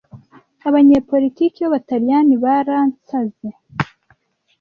Abanyapolitike b'Abataliyani baransaze.